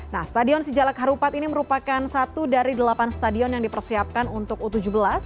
nah stadion sijalak harupat ini merupakan satu dari delapan stadion yang dipersiapkan untuk u tujuh belas